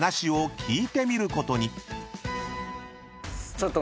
ちょっと。